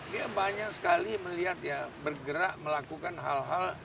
dia banyak sekali melihat ya bergerak melakukan hal hal